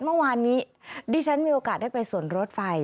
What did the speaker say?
เมื่อวานนี้ดิฉันมีโอกาสได้ไปส่วนรถไฟ